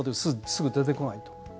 すぐ出てこないと。